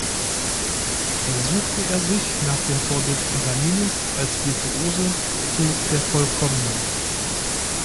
Hier suchte er sich nach dem Vorbild Paganinis als Virtuose zu vervollkommnen.